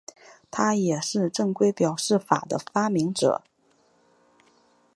他也是正规表示法的发明者。